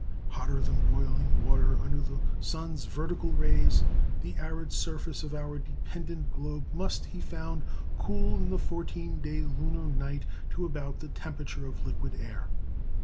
Hotter than boiling water under the sun's vertical rays, the arid surface of our dependent globe must, he found, cool in the 14 day lunar night to about the temperature of liquid air.